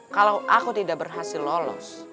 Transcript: kalau aku tidak berhasil lolos